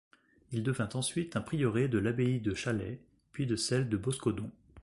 Il devint ensuite un prieuré de l’abbaye de Chalais, puis de celle de Boscodon.